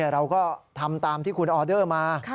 เราก็ทำตามที่คุณออเดอร์มา